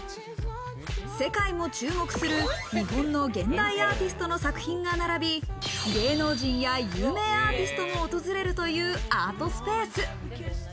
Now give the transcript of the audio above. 世界も注目する日本の現代アーティストの作品が並び、芸能人や有名アーティストも訪れるというアートスペース。